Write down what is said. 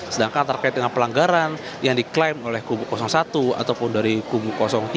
sedangkan terkait dengan pelanggaran yang diklaim oleh kubu satu ataupun dari kubu tiga